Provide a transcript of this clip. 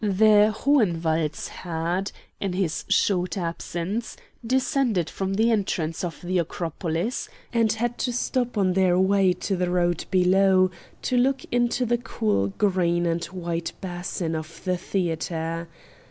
The Hohenwalds had, in his short absence, descended from the entrance of the Acropolis, and had stopped on their way to the road below to look into the cool green and white basin of the theatre.